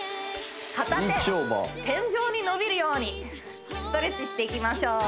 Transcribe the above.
片手天井に伸びるようにストレッチしていきましょう